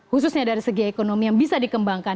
khususnya dari segi ekonomi yang bisa dikembangkan